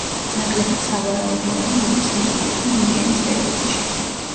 ნაკლებად სავარაუდოა, რომ იგი ცნობილი იყო მიკენის პერიოდში.